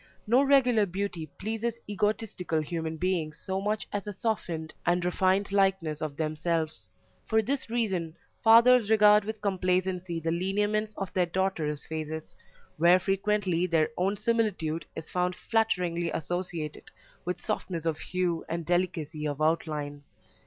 No regular beauty pleases egotistical human beings so much as a softened and refined likeness of themselves; for this reason, fathers regard with complacency the lineaments of their daughters' faces, where frequently their own similitude is found flatteringly associated with softness of hue and delicacy of outline.